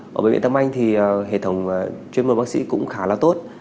ở bệnh viện đa khoa tâm anh thì hệ thống chuyên môn bác sĩ cũng khá là tốt